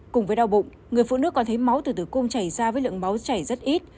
cùng với đau bụng người phụ nữ còn thấy máu từ tử cung chảy ra với lượng máu chảy rất ít